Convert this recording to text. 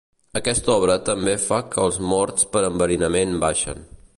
Aquesta obra també fa que els morts per enverinament baixen.